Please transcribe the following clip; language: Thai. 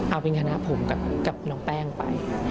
เอาเป็นคณะผมกับน้องแป้งไป